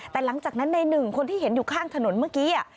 แต่หลังจากนั้นในหนึ่งคนที่เห็นอยู่ข้างถนนเมื่อกี้